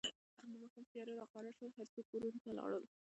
د ماښام تیاره راخوره شوه، هر څوک کورونو ته لاړل.